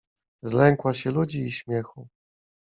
Zlękła się ludzi i śmiechu.